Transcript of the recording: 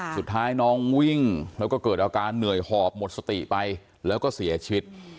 สุดท้ายน้องวิ่งแล้วก็เกิดอาการเหนื่อยหอบหมดสติไปแล้วก็เสียชีวิต